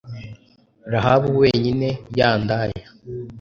rahabu wenyine, ya ndaya